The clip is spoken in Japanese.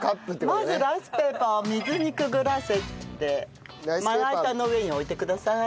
まずライスペーパーを水にくぐらせてまな板の上に置いてください。